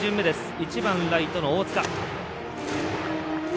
１番ライトの大塚。